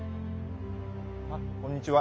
あこんにちは。